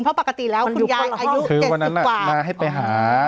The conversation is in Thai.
เพราะปกติแล้วคุณยายอายุเจ็ดสิบกว่าคือวันนั้นน่ะน้าให้ไปหา